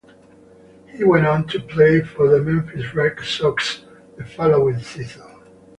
He went on to play for the Memphis Red Sox the following season.